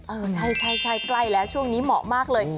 เออใช่ใกล้แล้วช่วงนี้เหมาะมากเลย